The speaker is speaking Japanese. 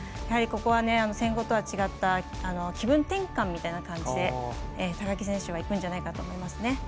ここは１５００とは違った気分転換みたいな感じで高木選手はいくんじゃないかと思いますね。